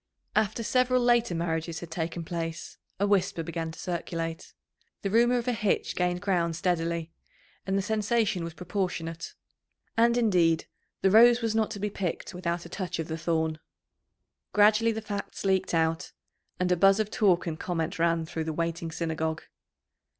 After several later marriages had taken place, a whisper began to circulate. The rumour of a hitch gained ground steadily, and the sensation was proportionate. And, indeed, the rose was not to be picked without a touch of the thorn. Gradually the facts leaked out, and a buzz of talk and comment ran through the waiting Synagogue.